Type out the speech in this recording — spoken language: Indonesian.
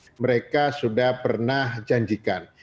dan yang mereka sudah pernah janjikan